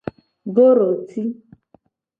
Goroti.